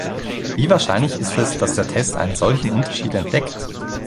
Wie wahrscheinlich ist es, dass der Test einen solchen Unterschied entdeckt?